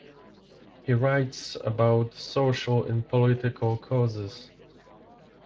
He writes about social and political causes.